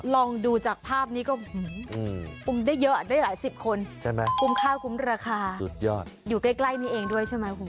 ลองดูจากภาพนี้ก็ปุ่มได้เยอะอ่ะได้หลายสิบคนปุ่มข้าวปุ่มราคาอยู่ใกล้นี้เองด้วยใช่ไหม